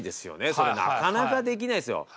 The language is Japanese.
それなかなかできないですよ。